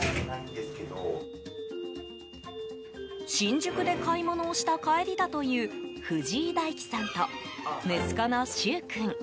新宿で買い物をした帰りだという藤井大樹さんと、息子の柊君。